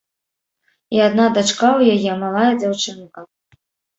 І адна дачка ў яе, малая дзяўчынка.